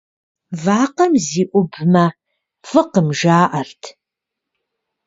Вакъэм зиӀубмэ, фӀыкъым, жаӀэрт.